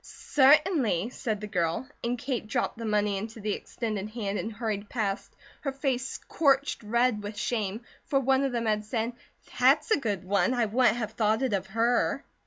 "Certainly!" said the girl and Kate dropped the money into the extended hand and hurried past, her face scorched red with shame, for one of them had said: "That's a good one! I wouldn't have thought it of her."